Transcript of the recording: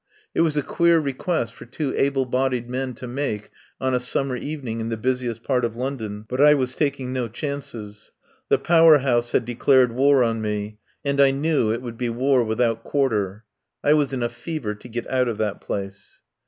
It was a queer request for two able bodied men to make on a summer evening in the busiest part of London, but I was taking no chances. The Power House had declared war on me, and I knew it would be war with out quarter. I was in a fever to get out of that place.